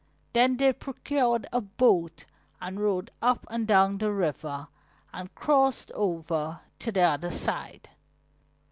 Then they procured a boat and rowed up and down the river, and crossed over to the other side.